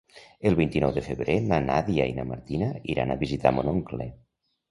El vint-i-nou de febrer na Nàdia i na Martina iran a visitar mon oncle.